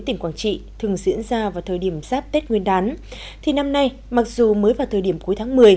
tỉnh quảng trị thường diễn ra vào thời điểm giáp tết nguyên đán thì năm nay mặc dù mới vào thời điểm cuối tháng một mươi